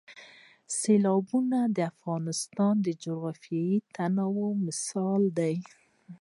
سیلابونه د افغانستان د جغرافیوي تنوع مثال دی.